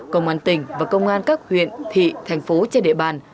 công an tỉnh và công an các huyện thị thành phố trên địa bàn